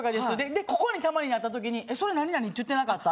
でここにたまになったときに「えっ。それ何々って言ってなかった？」。